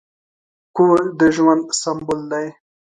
کور د ژوند سمبول دی.